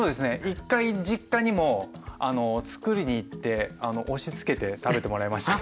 １回実家にもつくりに行って押しつけて食べてもらいましたね。